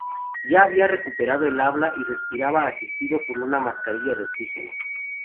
Ya había recuperado el habla y respiraba asistido por una mascarilla de oxígeno.